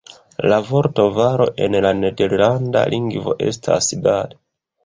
La vorto valo en la nederlanda lingvo estas "dal".